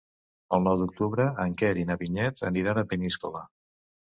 El nou d'octubre en Quer i na Vinyet aniran a Peníscola.